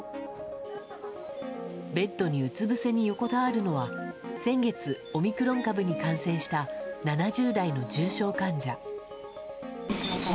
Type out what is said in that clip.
ベッドにうつ伏せに横たわるのは、先月、オミクロン株に感染した７０代の重症患者。